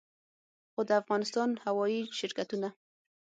خو د افغانستان هوايي شرکتونه